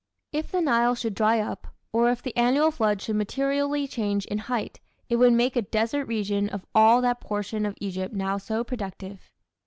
If the Nile should dry up, or if the annual floods should materially change in height, it would make a desert region of all that portion of Egypt now so productive.